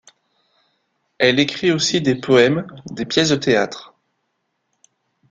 Elle écrit aussi des poèmes, des pièces de théâtre.